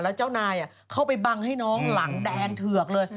แล้วเจ้านายเข้าไปบังให้น้องหลังแดงเถือกเลย